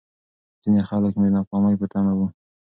ځيني خلک مې د ناکامۍ په تمه وو.